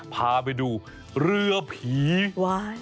พาไปดูเรือผีว้าย